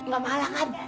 gak marah kan